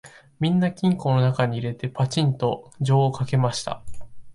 みんな金庫のなかに入れて、ぱちんと錠をかけました